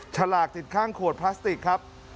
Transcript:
ฉลากติดข้างขวดพลาสติกครับ